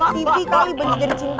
di kftv kali benci jadi cinta